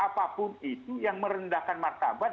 apapun itu yang merendahkan martabat